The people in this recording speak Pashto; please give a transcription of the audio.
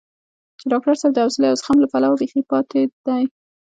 چې ډاکټر صاحب د حوصلې او زغم له پلوه بېخي پاتې دی.